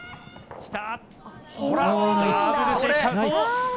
きた。